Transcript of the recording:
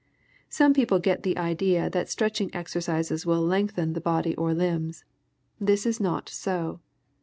Some people get the idea that stretching exercises will lengthen the body or limbs. This is not so.